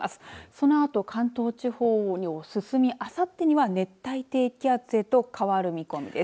そのあと関東地方に進みあさってには熱帯低気圧へと変わる見込みです。